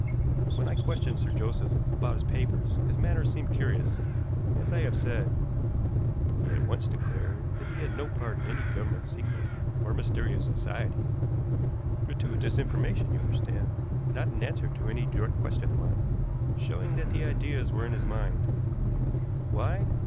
When I questioned Sir Joseph about his papers his manner seemed curious, as I have said. He at once declared that he had no part in any Government secret or mysterious society, gratuitous information, you understand, not in answer to any direct question of mine, showing that the ideas were in his mind. Why?